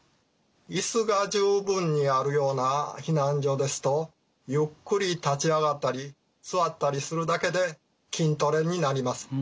イスが十分にあるような避難所ですとゆっくり立ち上がったり座ったりするだけで筋トレになります。